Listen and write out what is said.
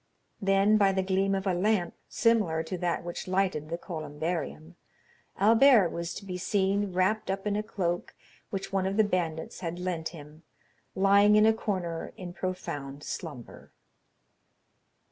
Then, by the gleam of a lamp, similar to that which lighted the columbarium, Albert was to be seen wrapped up in a cloak which one of the bandits had lent him, lying in a corner in profound slumber.